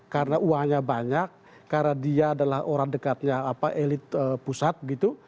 karena uangnya banyak karena dia adalah orang dekatnya elit pusat gitu